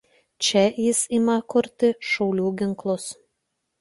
Čia jis ima kurti šaulių ginklus.